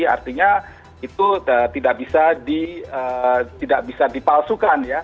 artinya itu tidak bisa dipalsukan ya